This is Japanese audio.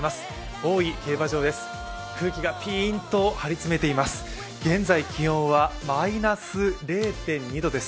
大井競馬場です。